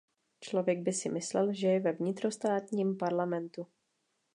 Člověk by si myslel, že je ve vnitrostátním parlamentu.